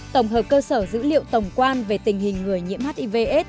tổng hợp cơ sở dữ liệu tổng quan về tình hình người nhiễm hivs